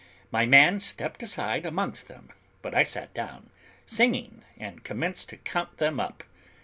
My man stepped aside amongst them, but I sat down, singing, and commenced to count them up.